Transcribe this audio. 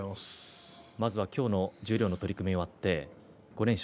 まずは今日の十両の取組終わって５連勝